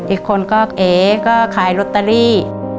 อีกคนก็เอ๋ก็ขายลอตเตอรี่